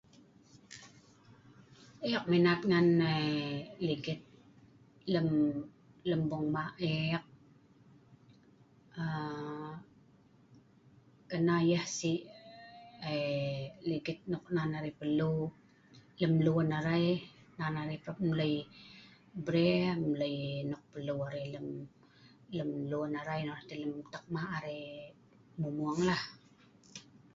Eek minat ngan aa ligit lem bung mak eek, aa.. kerna yeh sik ligit nok nan arai perlu lem lun arai, nan arai parap mlei bre' mlei nok perlu arai lem lun arai nonoh tah lem tak hma arai mung2 lah